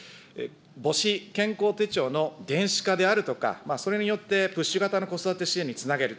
母子健康手帳の電子化であるとか、それによってプッシュ型の子育て支援につなげる。